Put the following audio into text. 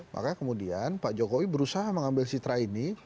maka kemudian pak jokowi berusaha mengambil citra ini